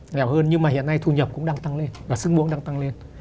nghèo hơn nhưng mà hiện nay thu nhập cũng đang tăng lên và sức mua cũng đang tăng lên